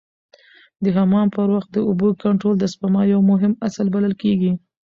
د حمام پر وخت د اوبو کنټرول د سپما یو مهم اصل بلل کېږي.